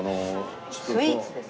スイーツですね。